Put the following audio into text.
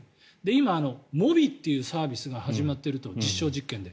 今、モビーっていうサービスが始まっていると、実証実験で。